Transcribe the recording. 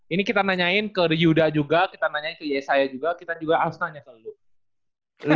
ini kita nanyain ke yuda juga kita nanyain ke yesaya juga kita juga harus nanya sama lu